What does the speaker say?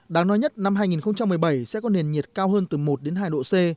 đáng nói nhất năm hai nghìn một mươi bảy sẽ có nền nhiệt cao hơn từ một đến hai độ c